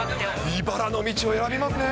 いばらの道を選びますね。